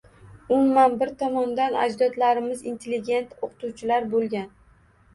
Umuman, bir tomondan ajdodlarim intellegent oʻqituvchilar boʻlgan